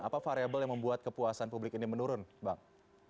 apa variable yang membuat kepuasan publik ini menurun bang